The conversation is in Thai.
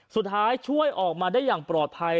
สุดท้ายช่วยออกมาได้อย่างปรอดภัย